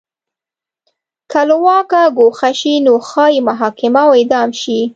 که له واکه ګوښه شي نو ښايي محاکمه او اعدام شي.